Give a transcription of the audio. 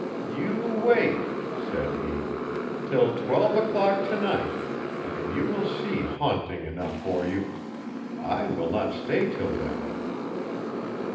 "'You wait,' said he, 'till twelve o'clock to night, and you will see "haunting" enough for you. I will not stay till then.'